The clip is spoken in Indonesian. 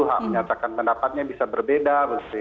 hak menyatakan pendapatnya bisa berbeda